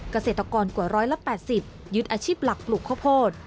เกษตรกรกว่า๑๘๐ยึดอาชีพหลักปลูกข้าวโพด